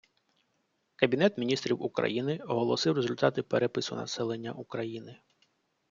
Кабінет міністрів України оголосив результати перепису населення України